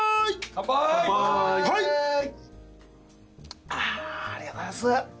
乾杯あありがとうございます